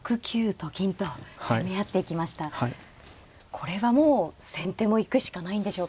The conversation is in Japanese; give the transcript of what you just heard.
これはもう先手も行くしかないんでしょうか。